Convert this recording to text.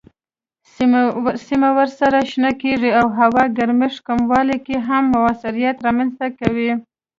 سیمه ورسره شنه کیږي او هوا ګرمښت کمولو کې هم موثریت رامنځ کوي.